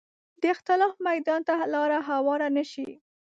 د اختلاف میدان ته لاره هواره نه شي